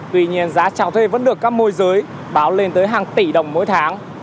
tuy nhiên giá trào thuê vẫn được các môi giới báo lên tới hàng tỷ đồng mỗi tháng